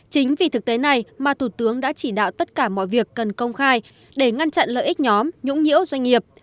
chính vì thực tế này mà thủ tướng đã chỉ đạo tất cả mọi việc cần công khai để ngăn chặn lợi ích nhóm nhũng nhiễu doanh nghiệp